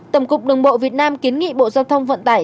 tổng cục đường bộ việt nam kiến nghị bộ giao thông vận tải